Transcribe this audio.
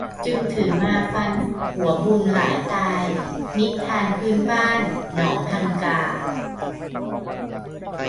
จึงถือมาฟันหัวบุญหลายตาย นิทานพื้นบ้านหนองฮังกา